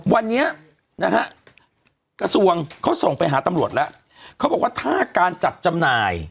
วันนี้นะฮะกระทรวงเขาส่งไปหาตำรวจแล้วเขาบอกว่าถ้าการจัดจำหน่าย